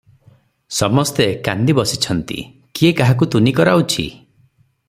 ସମସ୍ତେ କାନ୍ଦି ବସିଛନ୍ତି; କିଏ କାହାକୁ ତୁନି କରାଉଛି?